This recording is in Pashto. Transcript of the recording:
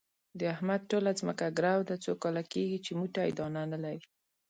د احمد ټوله ځمکه ګرو ده، څو کاله کېږي چې موټی دانه نه لري.